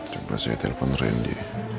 coba saya telepon ren di